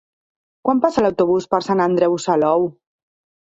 Quan passa l'autobús per Sant Andreu Salou?